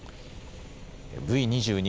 Ｖ２２